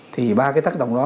thì ba cái tác động đó